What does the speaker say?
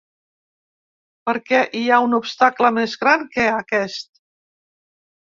Perquè, hi ha un obstacle més gran que aquest?